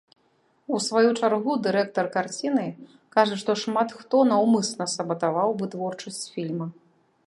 У сваю чаргу, дырэктар карціны кажа, што шмат хто наўмысна сабатаваў вытворчасць фільма.